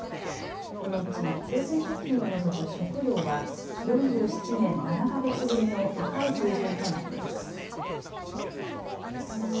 このうち生鮮食品を除く食料は４７年７か月ぶりの高い水準となっています。